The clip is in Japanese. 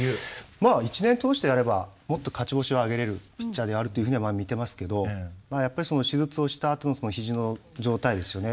まあ一年通してやればもっと勝ち星は挙げれるピッチャーであるというふうには見てますけどまあやっぱり手術をしたあとのひじの状態ですよね。